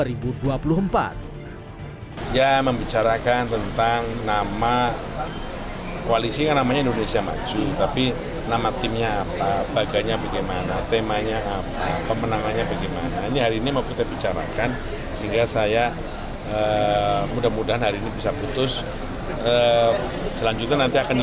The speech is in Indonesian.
ibran juga akan menjawab karena ibran belum bisa menjawab